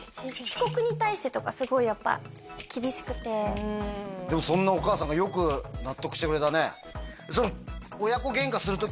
遅刻に対してとかすごいやっぱ厳しくてでもそんなお母さんがよく納得してくれたね